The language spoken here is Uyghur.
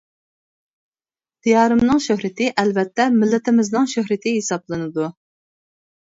دىيارىمنىڭ شۆھرىتى ئەلۋەتتە مىللىتىمىزنىڭ شۆھرىتى ھېسابلىنىدۇ.